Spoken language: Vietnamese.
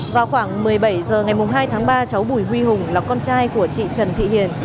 vào khoảng một mươi bảy h ngày hai tháng ba cháu bùi huy hùng là con trai của chị trần thị hiền